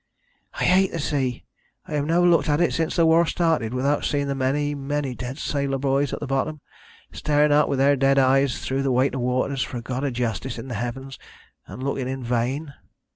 "I hate the sea! I have never looked at it since the war started without seeing the many, many dead sailor boys at the bottom, staring up with their dead eyes through the weight of waters for a God of Justice in the heavens, and looking in vain."